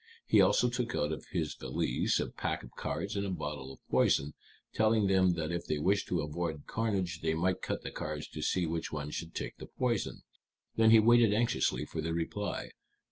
He also took out of his valise a pack of cards and a bottle of poison, telling them that if they wished to avoid carnage they might cut the cards to see which one should take the poison. Then he waited anxiously for their reply.